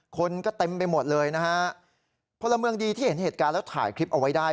คนก็เต็มไปหมดเลยนะฮะพลเมืองดีที่เห็นเหตุการณ์แล้วถ่ายคลิปเอาไว้ได้